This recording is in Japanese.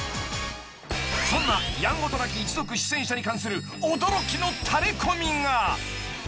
［そんな『やんごとなき一族』出演者に関する驚きのタレコミが］